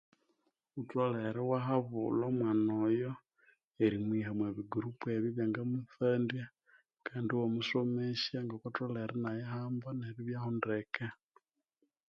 Ghutholere iwa habulha omwana oyo nerimwiha omwobigurupu ebyo ebyanga mutsandya kandi iwa musomesya ngoko atholere inayihamba neribyaho ndeke